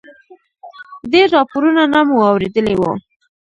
ډېر راپورونه مو اورېدلي و.